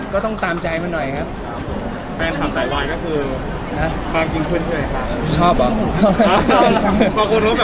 ก็ต้องตามใจมันหน่อยครับแฟนคลับสายร้อยก็คือฮะความจริงเคลื่อนที่ไหนค่ะ